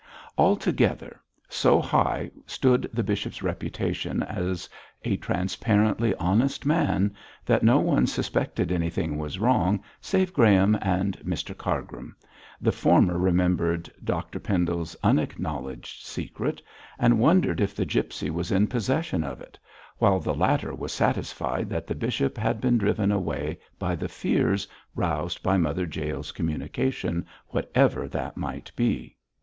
Altogether, so high stood the bishop's reputation as a transparently honest man that no one suspected anything was wrong save Graham and Mr Cargrim. The former remembered Dr Pendle's unacknowledged secret, and wondered if the gipsy was in possession of it, while the latter was satisfied that the bishop had been driven away by the fears roused by Mother Jael's communication, whatever that might be.